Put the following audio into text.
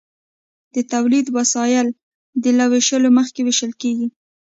د تولید وسایل د توکو له ویشلو مخکې ویشل کیږي.